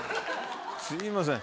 すみません。